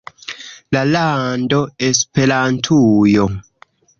La lando Esperantujo.